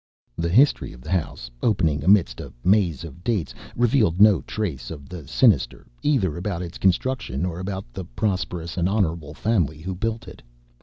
The history of the house, opening amidst a maze of dates, revealed no trace of the sinister either about its construction or about the prosperous and honorable family who built it.